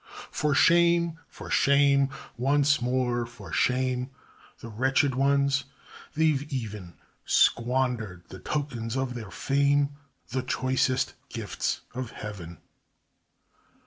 For shame, for shame, once more for shame! The wretched ones? they've even Squandered the tokens of their fame, The choicest gifts of heaven.